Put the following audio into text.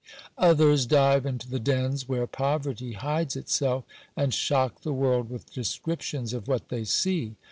Others dive into the dens where poverty hides itself, and shock the world with descriptions of what they see.